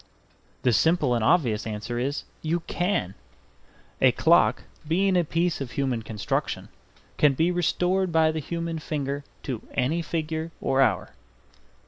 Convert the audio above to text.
The simple and obvious answer is "You can." A clock, being a piece of human construction, can be restored by the human finger to any figure or hour.